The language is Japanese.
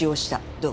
どう？